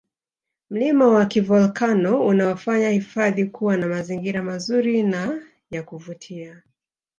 mlima wa kivolkano unaofanya hifadhi kuwa na mazingira mazuri na yakuvutia